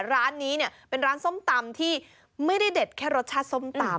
ร้านนี้เนี่ยเป็นร้านส้มตำที่ไม่ได้เด็ดแค่รสชาติส้มตำ